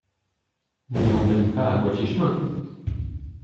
Nous n’irons même pas à moitié chemin!